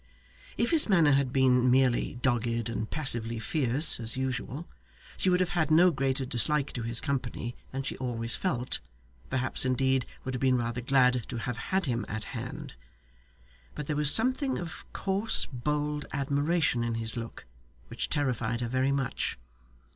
If his manner had been merely dogged and passively fierce, as usual, she would have had no greater dislike to his company than she always felt perhaps, indeed, would have been rather glad to have had him at hand. But there was something of coarse bold admiration in his look, which terrified her very much.